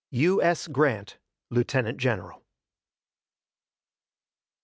U. S. GRANT, Lieutenant General.